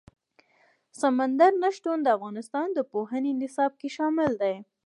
سمندر نه شتون د افغانستان د پوهنې نصاب کې شامل دي.